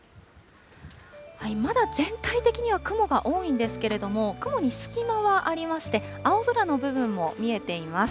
まだ全体的には雲が多いんですけれども、雲に隙間はありまして、青空の部分も見えています。